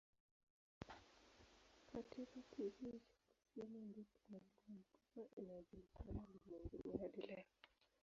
Katika kizio cha kusini ndipo milima mikubwa inayojulikana ulimwenguni hadi leo.